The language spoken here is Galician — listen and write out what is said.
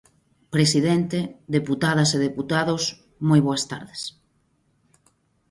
Presidente, deputadas e deputados, moi boas tardes.